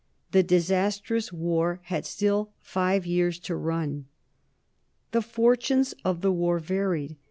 The disastrous war had still five years to run. The fortunes of the war varied.